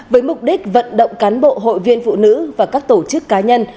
với mục đích vận động cán bộ hội viên phụ nữ và các tổ chức cá nhân